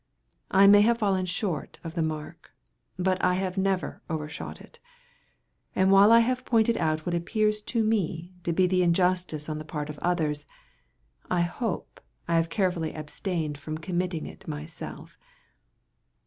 I may have fallen short of the mark, but I have never overshot it: and while I have pointed out what appears to me, to be injustice on the part of others, I hope I have carefully abstained from committing it myself.